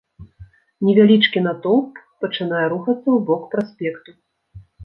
Невялічкі натоўп пачынае рухацца ў бок праспекту.